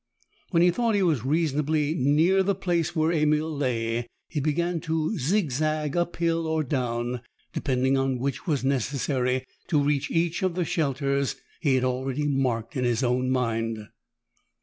When he thought he was reasonably near the place where Emil lay, he began to zigzag uphill or down, depending on which was necessary to reach each of the shelters he had already marked in his own mind.